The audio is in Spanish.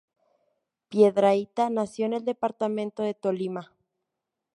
Piedrahíta nació en el departamento de Tolima.